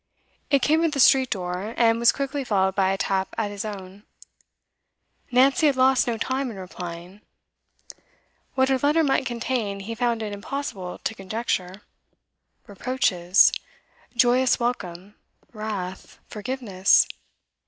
It came at the street door, and was quickly followed by a tap at his own. Nancy had lost no time in replying. What her letter might contain he found it impossible to conjecture. Reproaches? Joyous welcome? Wrath? Forgiveness?